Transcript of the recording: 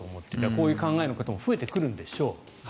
こういう考えの方も増えてくるんでしょう。